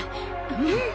うん。